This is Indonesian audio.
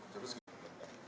terima kasih pak